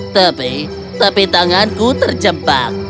tapi tapi tanganku terjebak